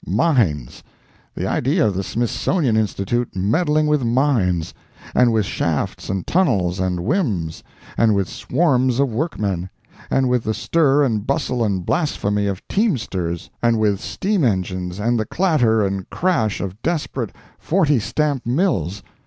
Mines! The idea of the Smithsonian Institute meddling with mines; and with shafts and tunnels and whims; and with swarms of workmen; and with the stir and bustle and blasphemy of teamsters; and with steam engines and the clatter and crash of desperate forty stamp mills!